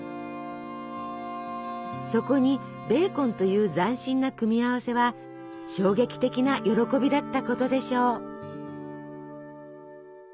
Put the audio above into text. そこにベーコンという斬新な組み合わせは衝撃的な喜びだったことでしょう。